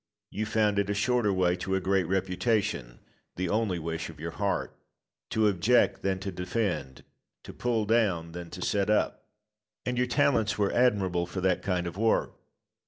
You found it a shorter way to a great reputation (the only wish of your heart) to object than to defend, to pull down than to set up. And your talents were admirable for that kind of work.